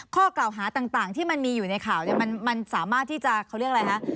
ข้อกล่าวหาต่างที่มันมีอยู่ในข่าวมันสามารถที่จะเขาเรียกอะไรคะ